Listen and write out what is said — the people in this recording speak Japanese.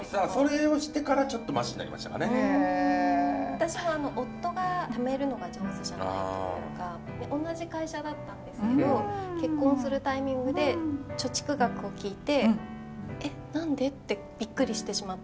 私も夫がためるのが上手じゃないというかおんなじ会社だったんですけど結婚するタイミングで貯蓄額を聞いてえっ何でってびっくりしてしまった。